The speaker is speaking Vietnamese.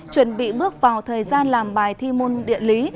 chuẩn bị bước vào thời gian làm bài thi môn điện lý